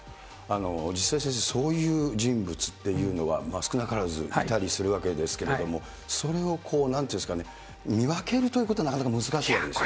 実際、先生、そういう人物というのは、少なからずいたりするわけですけれども、それをなんていうんですかね、見分けるということはなかなか難しいことですよね？